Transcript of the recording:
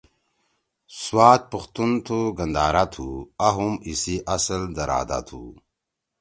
سوات پختون تُھو، گندھارا تُھو، آ ہُم اسی آصل درادا تُھو